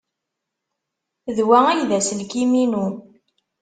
D wa ay d aselkim-inu.